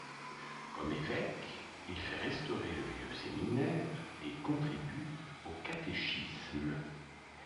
Comme évêque, il fait restaurer le vieux séminaire et contribue au catéchisme.